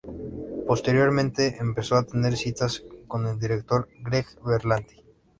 Posteriormente, empezó a tener citas con el director Greg Berlanti.